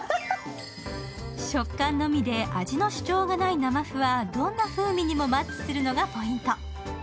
食感のみで味の主張がない生麩は、どんな風味にもマッチするのがポイント。